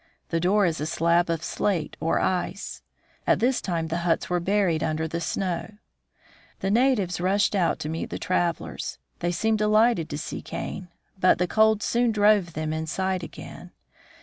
The door is a slab of slate or ice. At this time the huts were buried under the snow. The natives rushed out to meet the travelers. They seemed delighted to see Kane, but the cold soon drove them inside again.